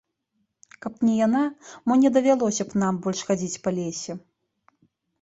Каб не яна, мо не давялося б нам больш хадзіць па лесе.